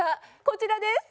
こちらです！